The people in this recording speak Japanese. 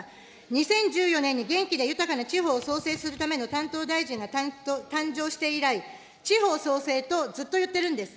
２０１４年に元気で豊かな地方を創生するための担当大臣が誕生して以来、地方創生とずっと言ってるんです。